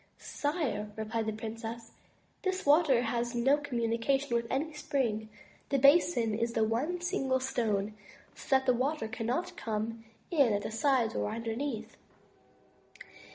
"Sire,*' replied the princess, this water has no communi cation with any spring; the basin is one single stone, so that the water cannot come in at the sides or underneath.